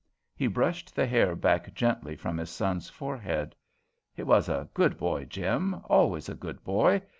He brushed the hair back gently from his son's forehead. "He was a good boy, Jim; always a good boy.